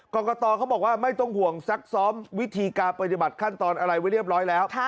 กรกตเขาบอกว่าไม่ต้องห่วงซักซ้อมวิธีการปฏิบัติขั้นตอนอะไรไว้เรียบร้อยแล้ว